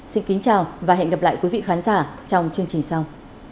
xin kính chào và hẹn gặp lại quý vị khán giả trong chương trình sau